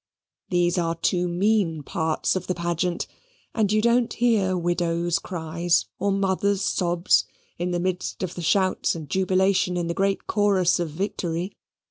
These are too mean parts of the pageant: and you don't hear widows' cries or mothers' sobs in the midst of the shouts and jubilation in the great Chorus of Victory.